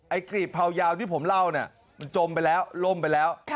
กรีบเผายาวที่ผมเล่าเนี่ยมันจมไปแล้วล่มไปแล้ว